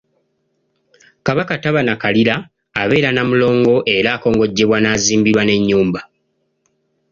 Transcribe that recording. Kabaka taba nakalira, abeera na Mulongo era akongojjebwa n’azimbirwa n’ennyumba.